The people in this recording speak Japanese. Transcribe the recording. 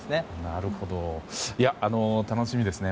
なるほど、楽しみですね。